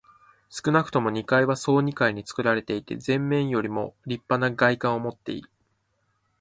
少なくとも二階は総二階につくられていて、前面よりもりっぱな外観をもっている。